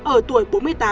ở tuổi bốn mươi tám